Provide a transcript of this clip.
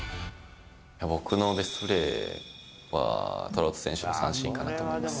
僕のベストプレーは、トラウト選手の三振かなと思います。